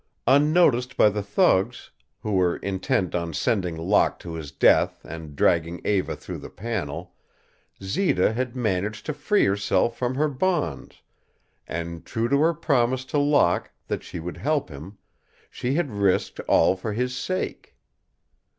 Unnoticed by the thugs, who were intent on sending Locke to his death and dragging Eva through the panel, Zita had managed to free herself from her bonds and, true to her promise to Locke that she would help him, she had risked all for his sake.